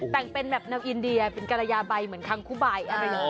แต่งเป็นแบบอินเดียเป็นกัลยาใบเหมือนคังกุบัย